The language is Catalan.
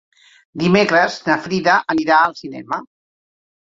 Dimecres na Frida anirà al cinema.